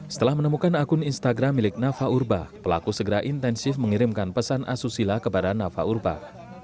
setelah menemukan akun instagram milik nafa urbah pelaku segera intensif mengirimkan pesan asusila kepada nafa urbah